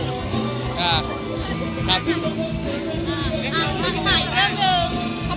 มาต่างไปเรื่องหนึ่ง